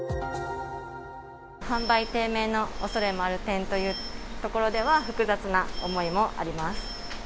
販売低迷のおそれもあるという点では、複雑な思いもあります。